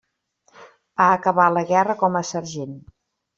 Va acabar la guerra com a sergent.